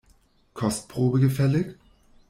Kostprobe gefällig?